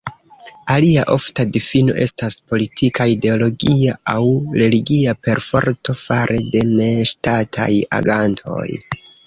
Alia ofta difino estas politika, ideologia aŭ religia perforto fare de ne-ŝtataj agantoj.